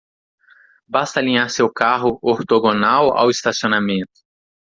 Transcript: Basta alinhar seu carro ortogonal ao estacionamento.